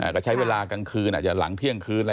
ก็ใช้เวลากลางคืนอาจจะหลังเที่ยงคืน